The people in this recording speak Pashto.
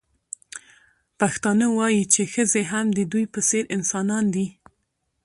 پښتانه وايي چې ښځې هم د دوی په څېر انسانان دي.